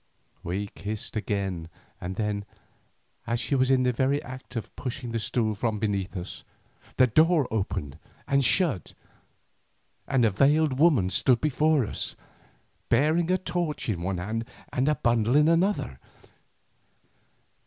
We kissed again and then, as she was in the very act of pushing the stool from beneath us, the door opened and shut, and a veiled woman stood before us, bearing a torch in one hand and a bundle in the other.